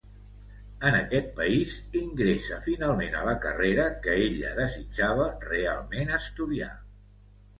En aquest país, ingressa finalment a la carrera que ella desitjava realment estudiar.